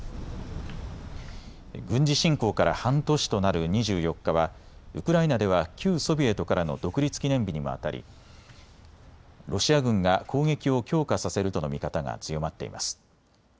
軍事侵攻から半年となる２４日はウクライナでは旧ソビエトからの独立記念日にもあたりロシア軍が攻撃を強化させるとの見方が強まっています。